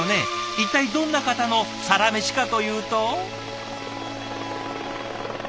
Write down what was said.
一体どんな方のサラメシかというと。